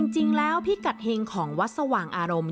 จริงแล้วพิกัดเฮงของวัดสว่างอารมณ์